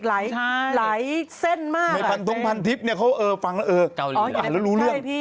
ใช่ลายแส่นมากในพันทุกพันทิบเนี้ยเขาเออฟังแล้วเออมาแล้วรู้เรื่อง